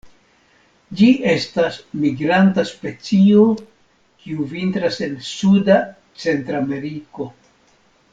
Ĝi estas migranta specio, kiu vintras en suda Centrameriko.